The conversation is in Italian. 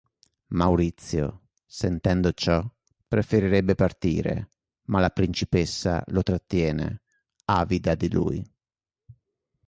Maurizio, sentendo ciò, preferirebbe partire, ma la principessa lo trattiene, avida di lui.